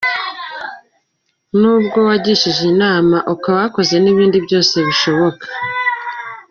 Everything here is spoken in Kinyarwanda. Nubwo wagishije inama ukaba wakoze n’ibindi byose bishoboka.